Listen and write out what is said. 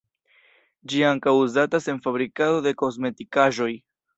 Ĝi ankaŭ uzatas en fabrikado de kosmetikaĵoj.